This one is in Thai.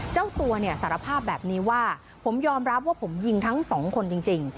เจ้าตัวเนี่ยสารภาพแบบนี้ว่าผมยอมรับว่าผมยิงทั้งสองคนจริง